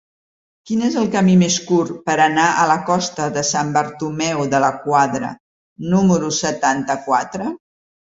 Quin és el camí més curt per anar a la costa de Sant Bartomeu de la Quadra número setanta-quatre?